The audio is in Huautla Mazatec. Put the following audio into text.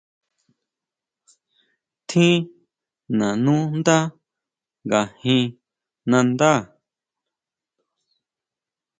¿Tjin nanú ndá ngajin nandá?